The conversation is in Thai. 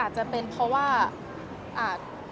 อาจจะเป็นเพราะว่า